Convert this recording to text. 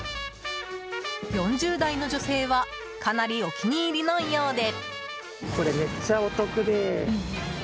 ４０代の女性はかなりお気に入りのようで。